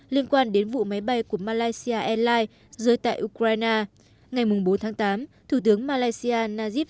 liên quan đến vụ máy bay của malaysia airlines rơi tại ukraine ngày bốn tháng tám thủ tướng malaysia najib